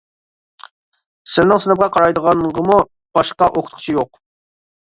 سىلىنىڭ سىنىپقا قارايدىغانغىمۇ باشقا ئوقۇتقۇچى يوق.